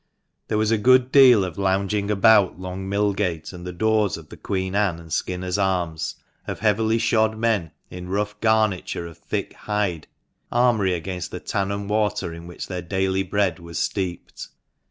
There was a good deal of lounging about Long Millgate and the doors of the " Queen Anne " and " Skinners' Arms " of heavily shod men, in rough garniture of thick hide — armoury against the tan and water in which their daily bread was steeped.